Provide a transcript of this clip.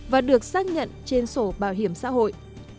và được xác nhận trên sổ bảo hiểm xã hội